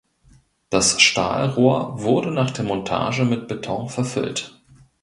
Das Stahlrohr wurde nach der Montage mit Beton verfüllt.